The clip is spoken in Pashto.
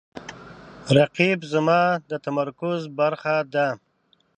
رقیب زما د تمرکز برخه ده